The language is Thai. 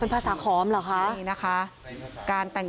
เป็นพระรูปนี้เหมือนเคี้ยวเหมือนกำลังทำปากขมิบท่องกระถาอะไรสักอย่าง